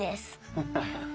ハハハハ。